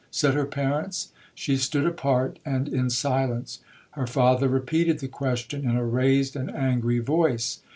said her parents. She stood apart, and in silence. Her father repeated the question in a raised and angry voice.